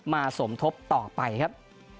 สมทบต่อไปครับ